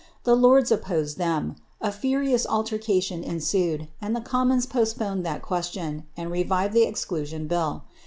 The lords opposed them — a furious altercation nd the commons postponed that question, and revived the ex Ill.